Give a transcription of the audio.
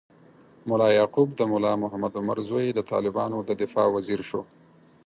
ملا یعقوب، د ملا محمد عمر زوی، د طالبانو د دفاع وزیر شو.